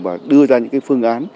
và đưa ra những phương án